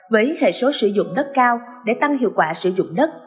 với hệ số sử dụng đất cao để tăng hiệu quả sử dụng đất